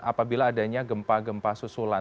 apabila adanya gempa gempa susulan